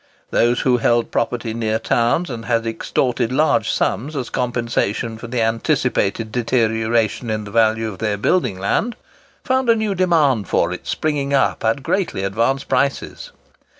Those who held property near towns, and had extorted large sums as compensation for the anticipated deterioration in the value of their building land, found a new demand for it springing up at greatly advanced prices.